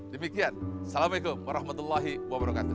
demikian assalamu'alaikum warahmatullahi wabarakatuh